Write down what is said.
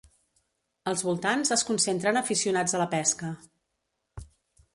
Als voltants es concentren aficionats a la pesca.